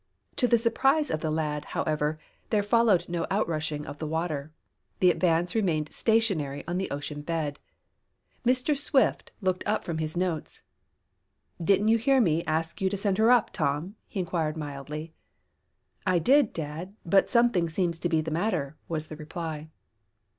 To the surprise of the lad, however, there followed no outrushing of the water. The Advance remained stationary on the ocean bed. Mr. Swift looked up from his notes. "Didn't you hear me ask you to send her up, Tom?" he inquired mildly. "I did, dad, but something seems to be the matter," was the reply.